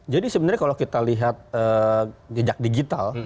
sebenarnya kalau kita lihat jejak digital